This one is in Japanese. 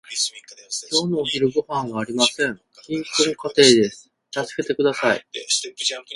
今日のお昼ごはんはありません。貧困家庭です。助けてください。